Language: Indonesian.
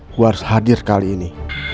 aku harus hadir kali ini